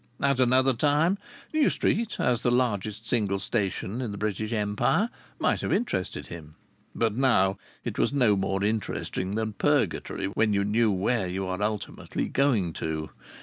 At another time New Street, as the largest single station in the British Empire, might have interested him. But now it was no more interesting than Purgatory when you know where you are ultimately going to.